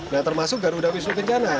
nah termasuk garuda wisnu kencana